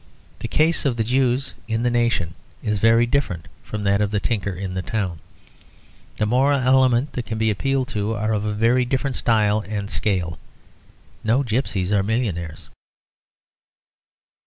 The case of the Jew in the nation is very different from that of the tinker in the town. The moral elements that can be appealed to are of a very different style and scale. No gipsies are millionaires.